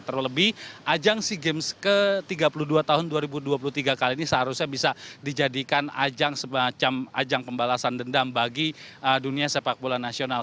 terlebih ajang sea games ke tiga puluh dua tahun dua ribu dua puluh tiga kali ini seharusnya bisa dijadikan ajang semacam ajang pembalasan dendam bagi dunia sepak bola nasional